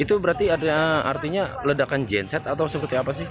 itu berarti artinya ledakan genset atau seperti apa sih